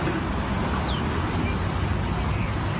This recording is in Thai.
แต่คุณผู้ชมมีการแชร์สะอาทิตย์